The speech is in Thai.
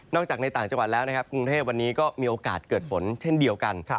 จากในต่างจังหวัดแล้วนะครับกรุงเทพวันนี้ก็มีโอกาสเกิดฝนเช่นเดียวกัน